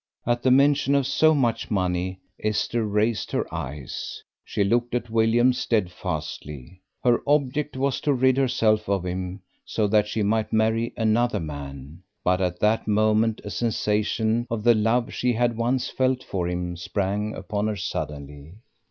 At the mention of so much money Esther raised her eyes. She looked at William steadfastly. Her object was to rid herself of him, so that she might marry another man; but at that moment a sensation of the love she had once felt for him sprang upon her suddenly.